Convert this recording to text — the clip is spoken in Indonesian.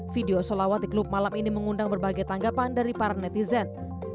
video solawat di klub malam ini mengundang berbagai tanggapan dari para netizen